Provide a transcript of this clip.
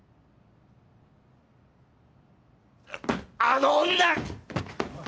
あの女！